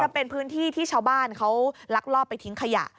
เป็นพื้นที่ที่ชาวบ้านเขาลักลอบไปทิ้งขยะ